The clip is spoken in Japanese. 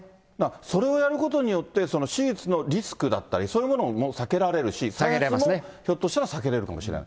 それをやることによって、手術のリスクだったり、そういうものも避けられるし、再発もひょっとしたら避けられるかもしれない。